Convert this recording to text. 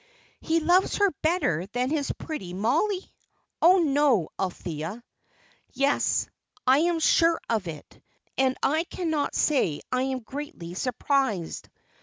"He loves her better than his pretty Mollie? Oh, no, Althea." "Yes, dear, I am sure of it, and I cannot say I am greatly surprised.